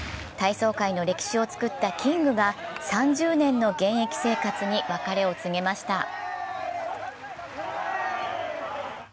体操界の歴史をつくったキングが３０年の現役生活に別れを告げました。